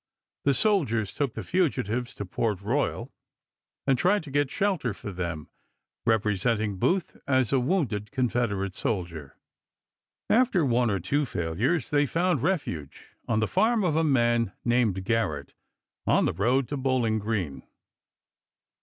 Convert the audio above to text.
The soldiers took the fugitives to Port Royal, and tried to get shelter for them, represent ing Booth as a wounded Confederate soldier. After one or two failures they found refuge on the farm of a man named Garrett on the road to Bowling Green.